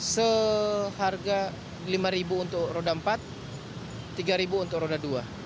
seharga rp lima untuk roda empat rp tiga untuk roda dua